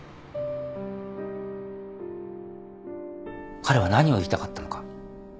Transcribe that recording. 彼は何を言いたかったのか。